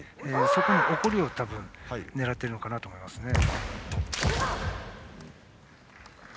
そこの起こりを狙っているのかなと思いますね。